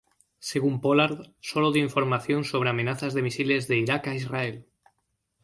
Según Pollard, solo dio información sobre amenazas de misiles de Irak a Israel.